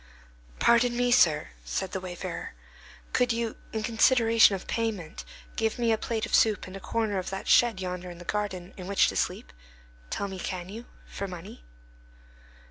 "Pardon me, sir," said the wayfarer, "Could you, in consideration of payment, give me a plate of soup and a corner of that shed yonder in the garden, in which to sleep? Tell me; can you? For money?"